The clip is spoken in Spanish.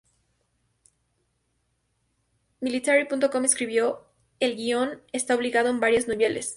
Military.com Escribió, "El guion está obligado en varios niveles.